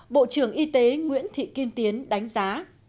bộ trưởng y tế nguyễn thị kim tiến đánh giá